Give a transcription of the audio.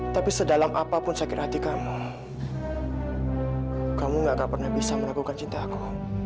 tapi sedalam apapun sakit hati kamu kamu nggak akan pernah bisa meragukan cinta aku